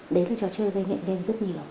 đấy là trò chơi gây nghiện game rất nhiều